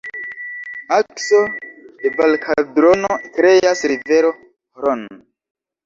Akso de valkaldrono kreas rivero Hron.